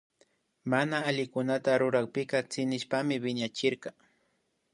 Mana allikunata rurakpika tsinishpami wiñachinkarka